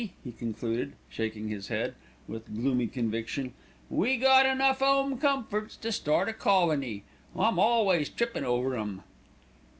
he concluded, shaking his head with gloomy conviction, "we got enough 'ome comforts to start a colony, I'm always trippin' over 'em."